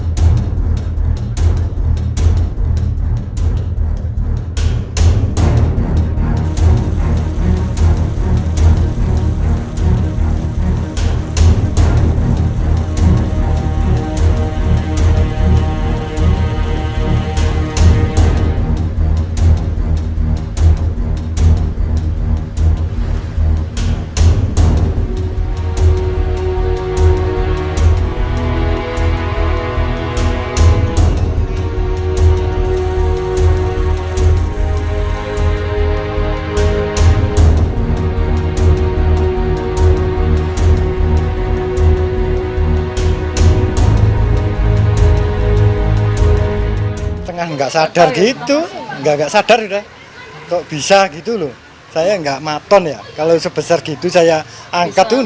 jangan lupa like share dan subscribe ya